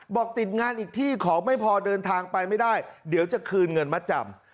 ติดงานอีกที่ของไม่พอเดินทางไปไม่ได้เดี๋ยวจะคืนเงินมาจำ